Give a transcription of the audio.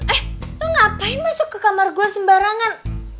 eh lu ngapain masuk ke kamar gua sembarangan